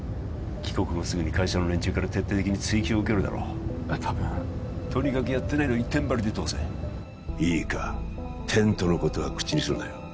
帰国後すぐに会社の連中から徹底的に追及を受けるだろう多分とにかくやってないの一点張りで通せいいかテントのことは口にするなよ